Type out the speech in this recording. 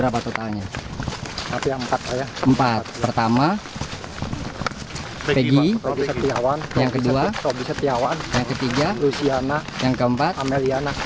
pertama peggy yang kedua yang ketiga luciana yang keempat amelia